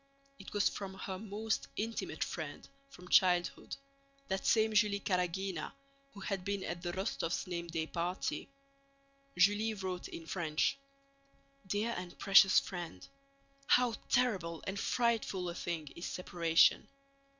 It was from her most intimate friend from childhood; that same Julie Karágina who had been at the Rostóvs' name day party. Julie wrote in French: Dear and precious Friend, How terrible and frightful a thing is separation!